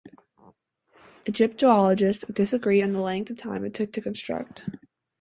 Egyptologists disagree on the length of time it took to construct.